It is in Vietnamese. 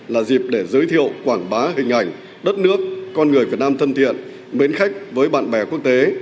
là dịp để giới thiệu quảng bá hình ảnh đất nước con người việt nam thân thiện mến khách với bạn bè quốc tế